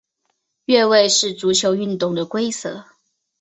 越位是足球运动的规则。